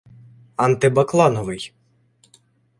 антибаклановий